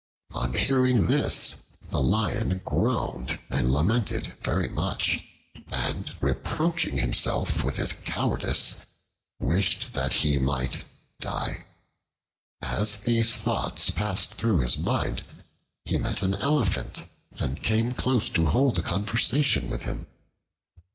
On hearing this the Lion groaned and lamented very much and, reproaching himself with his cowardice, wished that he might die. As these thoughts passed through his mind, he met an Elephant and came close to hold a conversation with him.